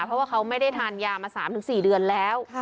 เพราะว่าเขาไม่ได้ทานยามา๓๔เดือนแล้ว